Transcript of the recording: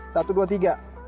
satu dua tiga